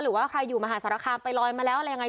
หรือว่าใครอยู่มหาสารคามไปลอยมาแล้วอะไรยังไง